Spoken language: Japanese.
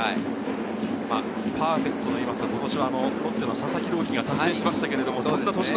パーフェクトというと、今年はロッテの佐々木朗希が達成しました。